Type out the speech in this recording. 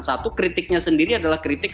satu kritiknya sendiri adalah kritik